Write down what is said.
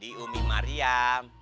di umi mariam